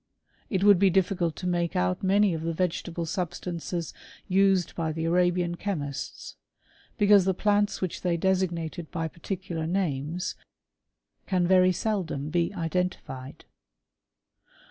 It would be difficult to make out many of liie vegetable substances used by the Arabian che » mists ; because the plants which they designated by particular names, can very seldom be identified.